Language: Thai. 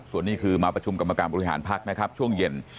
ส่วนนี้คือมาประชุมกรรมการบริหารพักนะครับช่วงเย็น